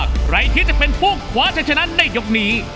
ใครที่จะเป็นผู้คว้าจะชนะในยกนี้